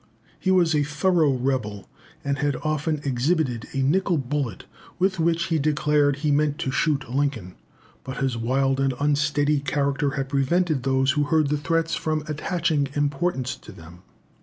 He was a thorough rebel, and had often exhibited a nickel bullet with which he declared he meant to shoot Lincoln, but his wild and unsteady character had prevented those who heard the threats from attaching importance to them.